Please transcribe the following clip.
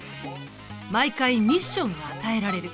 毎回ミッションが与えられる。